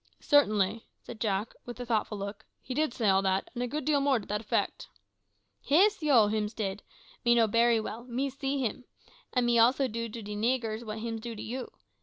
"Certainly," said Jack, with a thoughtful look, "he did say all that, and a great deal more to that effect." "Yis, ho! hims did. Me know bery well. Me see him. An' me also dood to de niggers what hims do to you.